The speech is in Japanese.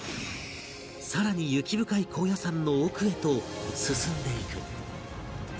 さらに雪深い高野山の奥へと進んでいく